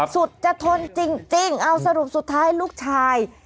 สุดจะทนจริงเอาสรุปสุดท้ายลูกชาย